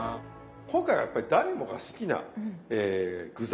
今回はやっぱり誰もが好きな具材。